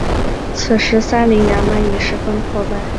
此时三陵衙门已十分破败。